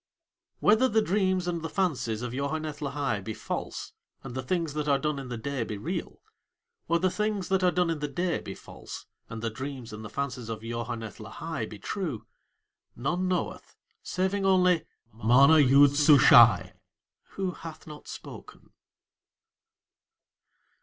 Whether the dreams and the fancies of Yoharneth Lahai be false and the Things that are done in the Day be real, or the Things that are done in the Day be false and the dreams and the fancies of Yoharneth Lahai be true, none knoweth saving only MANA YOOD SUSHAI, who hath not spoken.